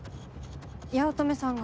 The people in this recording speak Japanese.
八乙女さんが。